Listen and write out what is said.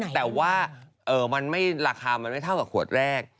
แต่ว่าราคามันไม่เท่ากับขวดแรก